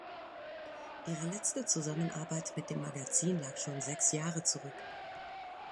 Ihre letzte Zusammenarbeit mit dem Magazin lag schon sechs Jahre zurück.